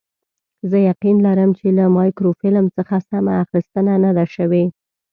زه یقین لرم چې له مایکروفیلم څخه سمه اخیستنه نه ده شوې.